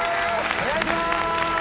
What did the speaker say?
お願いします。